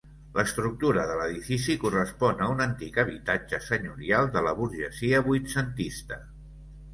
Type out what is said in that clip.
L'estructura de l'edifici correspon a un antic habitatge senyorial de la burgesia vuitcentista.